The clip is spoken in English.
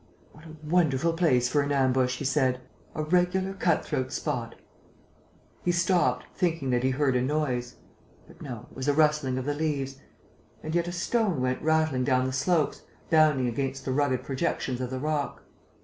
"What a wonderful place for an ambush!" he said. "A regular cut throat spot!" He stopped, thinking that he heard a noise. But no, it was a rustling of the leaves. And yet a stone went rattling down the slopes, bounding against the rugged projections of the rock.